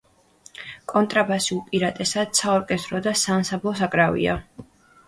კონტრაბასი უპირატესად საორკესტრო და საანსამბლო საკრავია.